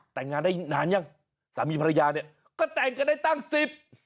แต่งงานได้นานยังสามีภรรยาเนี่ยก็แต่งกันได้ตั้งสิบ